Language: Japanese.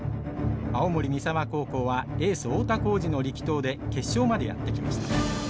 青森三沢高校はエース太田幸司の力投で決勝までやって来ました。